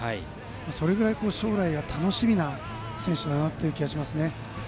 それぐらい将来楽しみな選手だなという気がしますね。